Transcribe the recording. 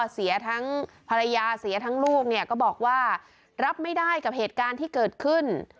เสียทั้งภรรยาเสียทั้งลูกเนี่ยก็บอกว่ารับไม่ได้กับเหตุการณ์ที่เกิดขึ้น